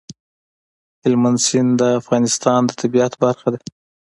هلمند سیند د افغانستان د طبیعت برخه ده.